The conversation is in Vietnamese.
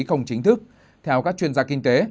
không chính thức theo các chuyên gia kinh tế